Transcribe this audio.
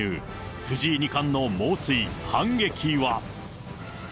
藤井二冠の猛追、反撃は。